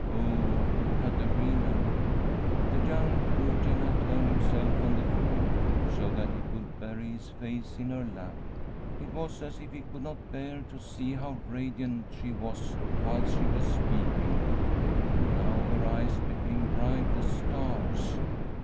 '' Oh, Caterina I ' The young Perugian had turned himself on the floor, so that be could bury his face in her lap. It (27x1 From a SWEDISH HOMESTEAD was as if he could not bear to see bow radiant she was whilst she was speaking, and now her eyes became bright as stars.